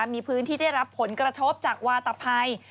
มีพื้นที่ได้รับผลกระทบจากวาตภัย